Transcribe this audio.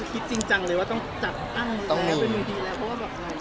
คิดจริงจังเลยว่าต้องจัดตั้นและไปบุญทีแล้ว